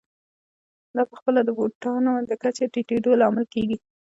دا په خپله د بوټانو د کچې ټیټېدو لامل کېږي